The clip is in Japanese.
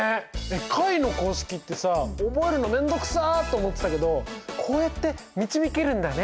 解の公式ってさ覚えるのめんどくさと思ってたけどこうやって導けるんだね。